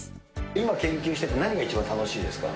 今研究していて何が一番楽しいですか。